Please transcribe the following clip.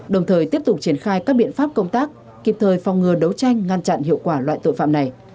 đồng thời tiếp tục triển khai các biện pháp công tác kịp thời phòng ngừa đấu tranh ngăn chặn hiệu quả loại tội phạm này